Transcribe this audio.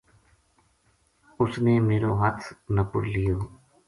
اُس نے میرو ہتھ نَپڑ لیو